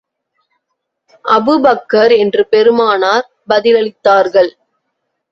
Abu Bakr என்று பெருமானார் பதிலளித்தார்கள்.